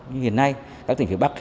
như hiện nay các tỉnh phía bắc